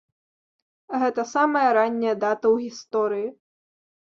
Гэта самая ранняя дата ў гісторыі.